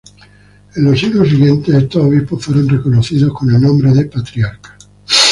En los siglos siguientes estos obispos fueron reconocidos con el nombre de patriarcas.